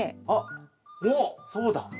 あっそうだ！